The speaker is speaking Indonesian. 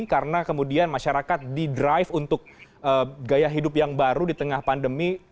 karena kemudian masyarakat di drive untuk gaya hidup yang baru di tengah pandemi